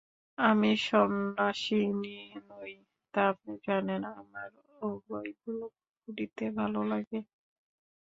আমি সন্ন্যাসিনী নই তা আপনি জানেন, আমার ও বইগুলি পড়িতে ভালো লাগে।